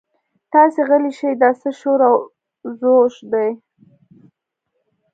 تاسې غلي شئ دا څه شور او ځوږ دی.